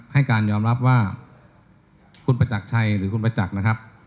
ให้การยอมรับว่าคุณประจักรชัยหรือคุณประจักษ์นะครับ